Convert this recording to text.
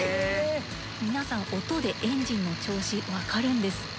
皆さん音でエンジンの調子わかるんですって。